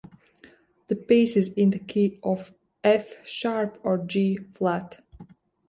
The piece is in the key of F-sharp or G-flat.